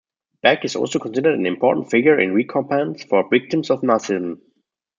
Beck is also considered an important figure in recompense for victims of Nazism.